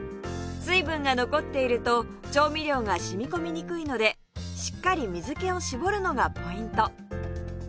水分が残っていると調味料が染み込みにくいのでしっかり水気を絞るのがポイント